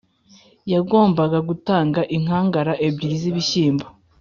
yagombaga gutanga inkangara ebyiri zibishyimbo